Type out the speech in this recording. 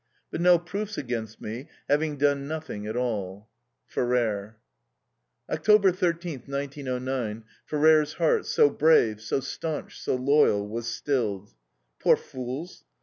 But no proofs against me, having done nothing at all. FERRER. October thirteenth, 1909, Ferrer's heart, so brave, so staunch, so loyal, was stilled. Poor fools!